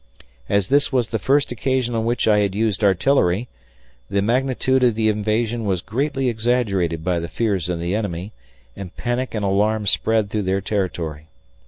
As this was the first occasion on which I had used artillery the magnitude of the invasion was greatly exaggerated by the fears of the enemy, and panic and alarm spread through their territory.